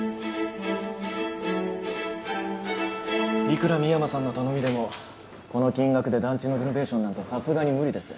いくら深山さんの頼みでもこの金額で団地のリノベーションなんてさすがに無理です。